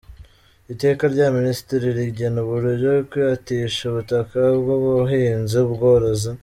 Iteka rya Minisitiri rigena uburyo kwatisha ubutaka bw‟ubuhinzi, ubworozi